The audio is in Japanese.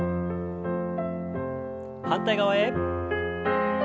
反対側へ。